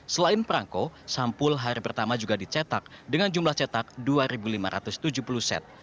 selain perangko sampul hari pertama juga dicetak dengan jumlah cetak dua lima ratus tujuh puluh set